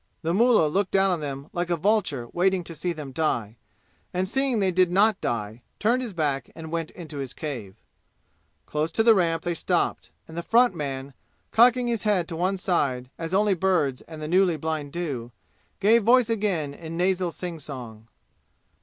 The mullah looked down on them like a vulture waiting to see them die, and seeing they did not die, turned his back and went into his cave. Close to the ramp they stopped, and the front man, cocking his head to one side as only birds and the newly blind do, gave voice again in nasal singsong.